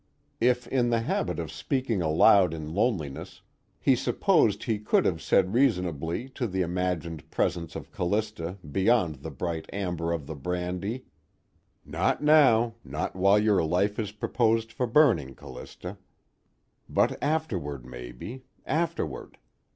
If in the habit of speaking aloud in loneliness, he supposed he could have said reasonably to the imagined presence of Callista beyond the bright amber of the brandy: _Not now, not while your life is proposed for burning, Callista. But afterward, maybe. Afterward.